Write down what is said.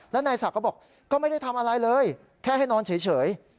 แล้วนายศักดิ์ก็บอกก็ไม่ได้ทำอะไรเลยแค่ให้นอนเฉย